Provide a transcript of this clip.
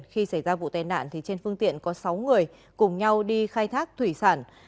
khi xảy ra vụ tai nạn thì trên phương tiện có sáu người cùng nhau đi khai thác thủy sản